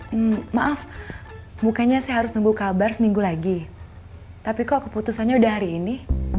hmm maaf mukanya saya harus nunggu kabar seminggu lagi tapi kok keputusannya udah hari ini